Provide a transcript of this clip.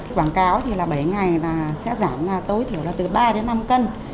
quảng cáo bảy ngày sẽ giảm tối thiểu từ ba năm cân